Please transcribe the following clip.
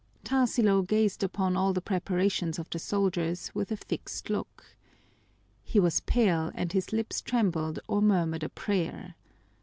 Tarsilo gazed upon all the preparations of the soldiers with a fixed look. He was pale, and his lips trembled or murmured a prayer.